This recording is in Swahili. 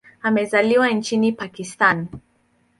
Amezaliwa nchini Pakistan.